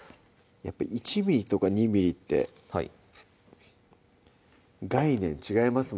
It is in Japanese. やっぱ１ｍｍとか２ｍｍって概念違います